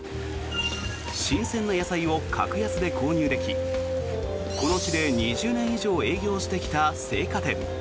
新鮮な野菜を格安で購入できこの地で２０年以上営業してきた青果店。